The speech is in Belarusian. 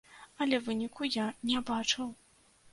Але выніку я не бачыў.